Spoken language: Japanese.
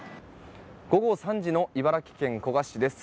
午後３時の茨城県古河市です。